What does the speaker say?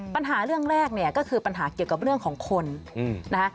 ปัญหาเรื่องแรกเนี่ยก็คือปัญหาเกี่ยวกับเรื่องของคนนะคะ